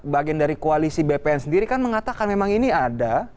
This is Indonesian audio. bagian dari koalisi bpn sendiri kan mengatakan memang ini ada